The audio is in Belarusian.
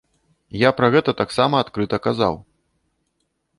Я пра гэта таксама адкрыта казаў.